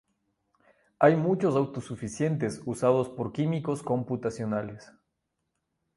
Hay muchos autosuficientes usados por químicos computacionales.